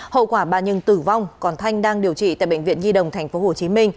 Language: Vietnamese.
hậu quả bà nhưng tử vong còn thanh đang điều trị tại bệnh viện nhi đồng tp hcm